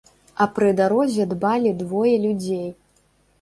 А пры дарозе дбалі двое людзей.